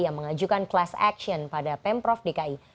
yang mengajukan class action pada pemprov dki